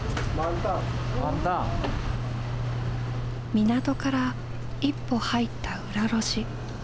港から一歩入った裏路地。